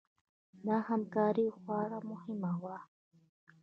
دا همکاري خورا مهمه وه.